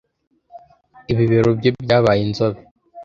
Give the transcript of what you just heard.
Ibibero bye byabaye inzobe